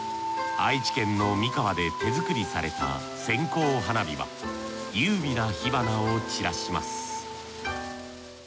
愛知県の三河で手作りされた線香花火は優美な火花を散らします。